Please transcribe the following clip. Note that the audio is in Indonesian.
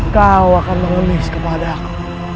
kau akan mengemis kepadaku